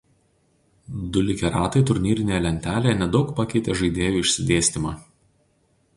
Du likę ratai turnyrinėje lentelėje nedaug pakeitė žaidėjų išsidėstymą.